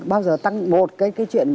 bao giờ tăng một cái chuyện